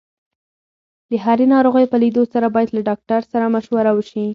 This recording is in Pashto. د هرې ناروغۍ په لیدو سره باید له ډاکټر سره مشوره وشي.